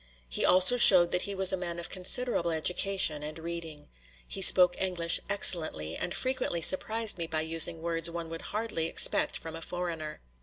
He also showed that he was a man of considerable education and reading. He spoke English excellently, and frequently surprised me by using words one would hardly expect from a foreigner.